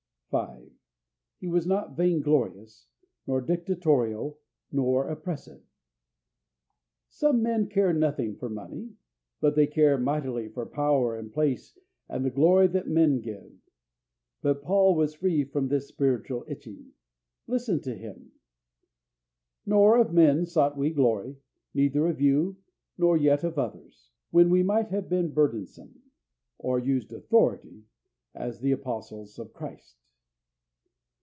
5. He was not vain glorious, nor dictatorial, nor oppressive. Some men care nothing for money, but they care mightily for power and place and the glory that men give. But Paul was free from this spiritual itching. Listen to him: "Nor of men sought we glory, neither of you, nor yet of others, when we might have been burdensome" (or "used authority") "as the Apostles of Christ."